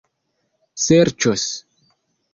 serĉos